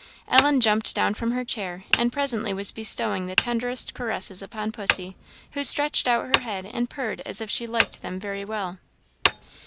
Ellen jumped down from her chair, and presently was bestowing the tenderest caresses upon pussy, who stretched out her head and purred as if she liked them very well.